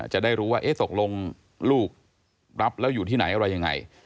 จะได้รู้ว่าตกลงลูกรับแล้วอยู่ที่ไหนอะไรยังไง